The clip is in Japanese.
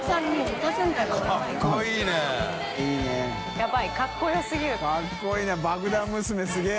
ヤバイかっこよすぎる。